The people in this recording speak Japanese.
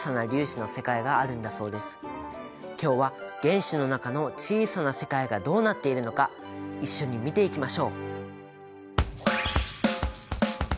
今日は原子の中の小さな世界がどうなっているのか一緒に見ていきましょう！